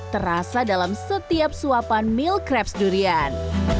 terasa dalam setiap suapan meal crabs durian